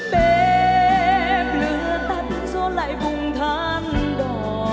bếp lửa tắt gió lại vùng than đỏ